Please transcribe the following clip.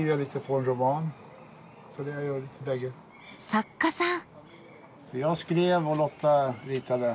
作家さん！